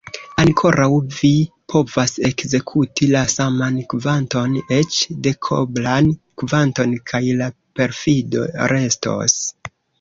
Ankoraŭ vi povas ekzekuti la saman kvanton, eĉ dekoblan kvanton, kaj la perfido restos.